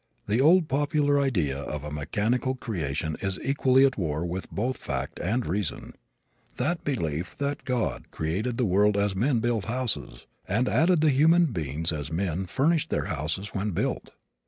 The old popular idea of a mechanical creation is equally at war with both fact and reason. That belief is that God created the world as men build houses, and added the human beings as men furnish their houses when built.